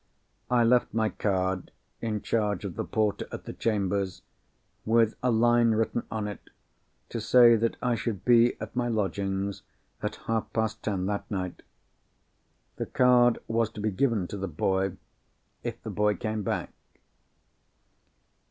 I left my card, in charge of the porter at the chambers, with a line written on it to say that I should be at my lodgings at half past ten, that night. The card was to be given to the boy, if the boy came back.